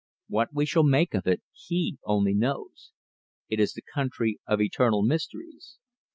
"What we shall make of it, He only knows! It is the country of eternal mysteries."